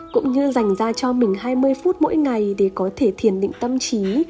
cũng như dành ra cho mình hai mươi phút mỗi ngày để có thể thiền định tâm trí